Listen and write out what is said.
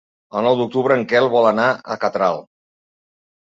El nou d'octubre en Quel vol anar a Catral.